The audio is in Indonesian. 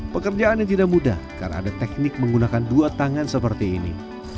pekerjaan yang tidak mudah karena ada teknik menggunakan dua tangan seperti ini